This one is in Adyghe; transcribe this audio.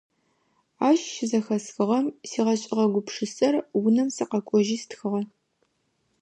Ащ щызэхэсхыгъэм сигъэшӀыгъэ гупшысэр унэм сыкъэкӀожьи стхыгъэ.